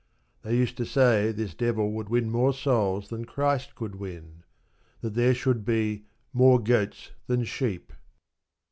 They used to say this Devil would win more souls than Christ could win: that there should be "more goats than sheep."